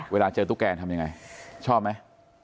เวลาเจอตุ๊กแกทำยังไงชอบไหม